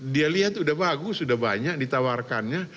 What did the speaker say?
dia lihat udah bagus sudah banyak ditawarkannya